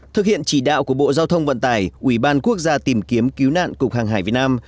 thực hiện chỉ đạo của bộ giao thông vận tải ubnd tìm kiếm cứu nạn cục hàng hải việt nam